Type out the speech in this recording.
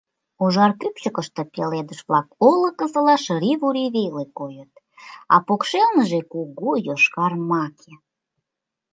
Ужар кӱпчыкыштӧ пеледыш-влак олыкысыла шыри-вури веле койыт, а покшелныже — кугу йошкар маке.